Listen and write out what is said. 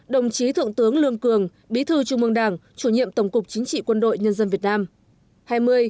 một mươi chín đồng chí thượng tướng lương cường bí thư trung mương đảng chủ nhiệm tổng cục chính trị quân đội nhân dân việt nam